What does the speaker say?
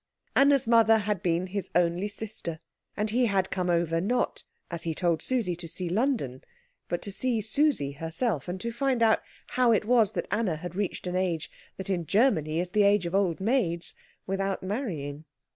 Anna's mother had been his only sister, and he had come over, not, as he told Susie, to see London, but to see Susie herself, and to find out how it was that Anna had reached an age that in Germany is the age of old maids without marrying.